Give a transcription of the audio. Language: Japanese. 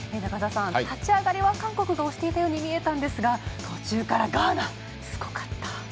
立ち上がりは韓国が押しているように見えたんですが途中から、ガーナすごかった。